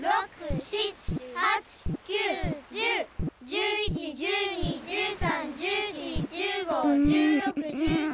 １１１２１３１４１５１６１７１８。